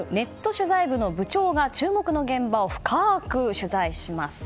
取材部の部長が注目の現場を深く取材します。